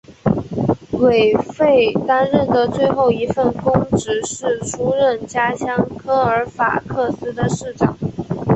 韦弗担任的最后一份公职是出任家乡科尔法克斯的市长。